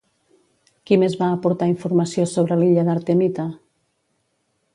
Qui més va aportar informació sobre l'illa d'Artemita?